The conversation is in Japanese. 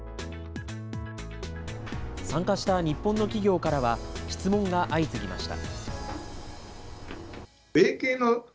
参加した日本の企業からは、質問が相次ぎました。